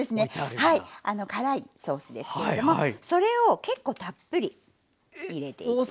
はいあの辛いソースですけれどもそれを結構たっぷり入れていきます。